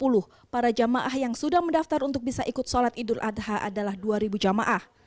hingga dua belas juli dua ribu dua puluh para jamaah yang sudah mendaftar untuk bisa ikut salat idul adha adalah dua jamaah